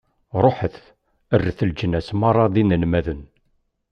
Ṛuḥet, rret leǧnas meṛṛa d inelmaden.